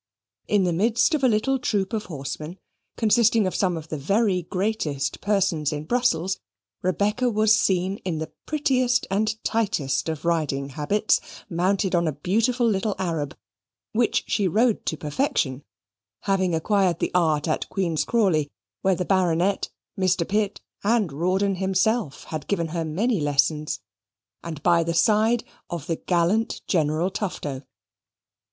In the midst of a little troop of horsemen, consisting of some of the very greatest persons in Brussels, Rebecca was seen in the prettiest and tightest of riding habits, mounted on a beautiful little Arab, which she rode to perfection (having acquired the art at Queen's Crawley, where the Baronet, Mr. Pitt, and Rawdon himself had given her many lessons), and by the side of the gallant General Tufto.